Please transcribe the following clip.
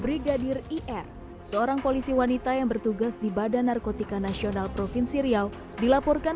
brigadir ir seorang polisi wanita yang bertugas di badan narkotika nasional provinsi riau dilaporkan